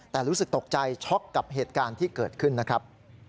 แต่รู้สึกตกใจช็อกกับเหตุการณ์ที่เกิดขึ้นนะครับ